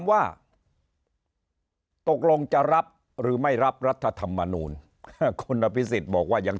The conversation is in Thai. ว่าตกลงจะรับหรือไม่รับรัฐธรรมนูลคุณอภิษฎบอกว่ายัง